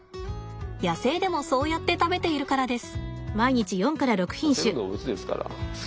野生でもそうやって食べているからです。